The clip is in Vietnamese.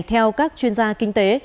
theo các chuyên gia kinh tế